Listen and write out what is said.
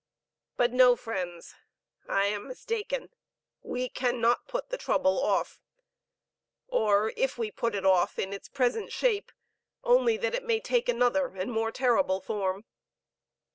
But no, friends, I am mistaken. We cannot put the trouble off. Or, we put it off in its present shape, only that it may take another and more terrible form.